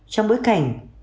trong bối cảnh